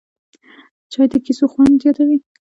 چای د کیسو خوند زیاتوي